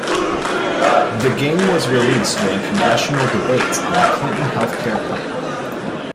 The game was released during Congressional debates on the Clinton health care plan.